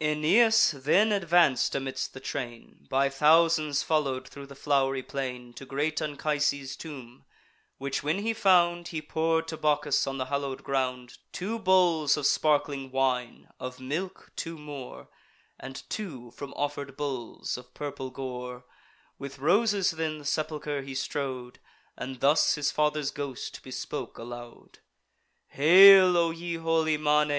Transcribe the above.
Aeneas then advanc'd amidst the train, By thousands follow'd thro' the flow'ry plain, To great Anchises' tomb; which when he found, He pour'd to Bacchus, on the hallow'd ground, Two bowls of sparkling wine, of milk two more, And two from offer'd bulls of purple gore, With roses then the sepulcher he strow'd And thus his father's ghost bespoke aloud: "Hail, O ye holy manes!